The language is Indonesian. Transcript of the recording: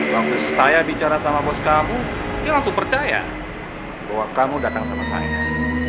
waktu saya bicara sama bos kamu dia langsung percaya bahwa kamu datang sama saya